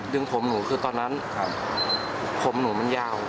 ดึงผมหนูคือตอนนั้นผมหนูมันยาว